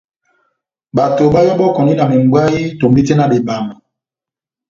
Bato bayɔbɔkɔndi na membwayï tombete na bebama.